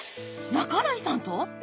半井さんと！？